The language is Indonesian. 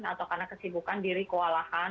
atau karena kesibukan diri kewalahan